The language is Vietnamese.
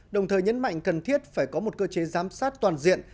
đồng thời nhấn mạnh cần thiết phải có một cơ chế giám sát toàn diện